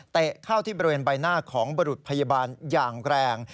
เข้าที่บริเวณใบหน้าของบรุษพยาบาลอย่างแรง